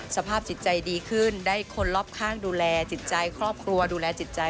สภาพจิตใจดีขึ้นได้คนรอบข้างดูแลจิตใจครอบครัวดูแลจิตใจ